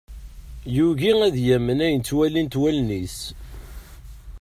Yugi ad yamen ayen ttwalint wallen-is.